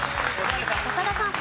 長田さん。